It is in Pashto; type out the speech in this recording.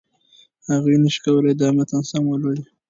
هغوی نشي کولای دا متن سم ولولي.